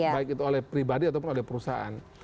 baik itu oleh pribadi ataupun oleh perusahaan